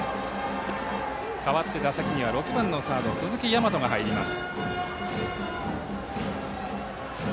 続いて、打席には６番サード鈴木大和が入ります。